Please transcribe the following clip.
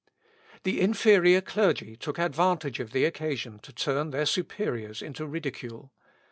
The inferior clergy took advantage of the occasion to turn their superiors into ridicule.